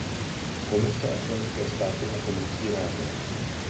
Komise a členské státy na to musí reagovat.